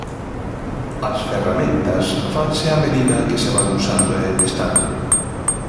As ferramentas fanse a medida que se van usando e testando.